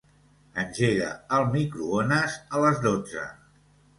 Engega el microones a les dotze.